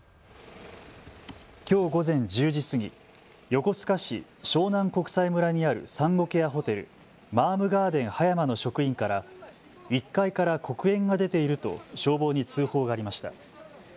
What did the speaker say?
きょう午前１０時過ぎ、横須賀市湘南国際村にある産後ケアホテルマームガーデン葉山の職員から１階から黒煙が出ていると消防に通報がありました。